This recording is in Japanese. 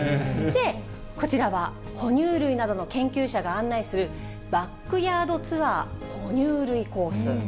こちらは、哺乳類などの研究者が案内するバックヤードツアー哺乳類コース。